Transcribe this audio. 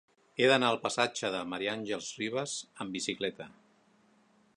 He d'anar al passatge de Ma. Àngels Rivas amb bicicleta.